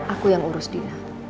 aku yang urus dina